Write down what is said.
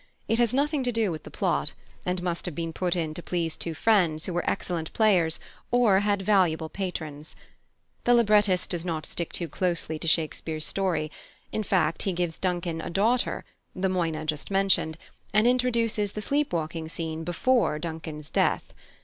It has nothing to do with the plot, and must have been put in to please two friends who were excellent players or had valuable patrons. The librettist does not stick too closely to Shakespeare's story; in fact, he gives Duncan a daughter, the Moina just mentioned, and introduces the Sleep walking scene before Duncan's death.